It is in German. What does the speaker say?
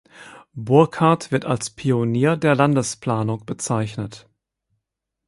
Burckhardt wird als "Pionier der Landesplanung" bezeichnet.